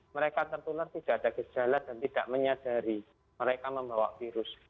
mereka tertular tidak ada gejala dan tidak menyadari mereka membawa virus